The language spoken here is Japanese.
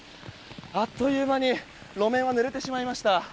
あっという間に路面はぬれてしまいました。